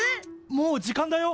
もう時間だよ！